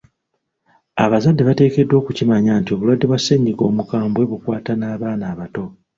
Abazadde bateekeddwa okukimanya nti obulwadde bwa ssennyiga omukambwe bukwata n'abaana abato.